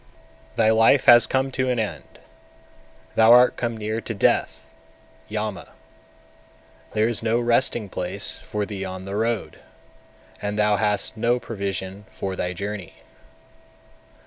237. Thy life has come to an end, thou art come near to death (Yama), there is no resting place for thee on the road, and thou hast no provision for thy journey.